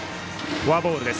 フォアボールです。